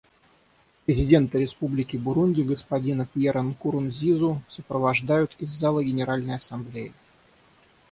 Президента Республики Бурунди господина Пьера Нкурунзизу сопровождают из зала Генеральной Ассамблеи.